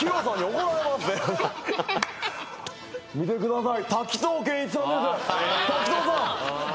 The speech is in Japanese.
後ろ見てください。